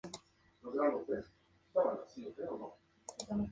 El pueblo fue nombrado Gwynn cuando fue fundado.